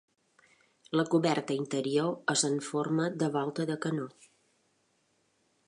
La coberta interior és en forma de volta de canó.